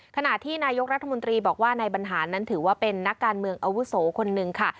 ขณะที่นายกรัฐมนตรีบอกว่านายบรรหารนั้นถือว่าเป็นนักการเมืองอาวุโสคนหนึ่งค่ะ